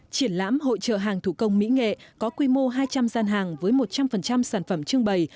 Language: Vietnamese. triển lãm hội trợ hàng thủ công mỹ nghệ có quy mô hai trăm linh gian hàng với một trăm linh sản phẩm trưng bày